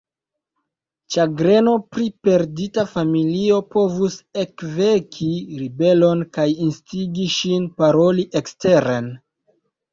Ĉagreno pri perdita familio povus ekveki ribelon kaj instigi ŝin paroli eksteren.